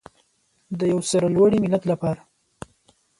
د یو سرلوړي ملت لپاره.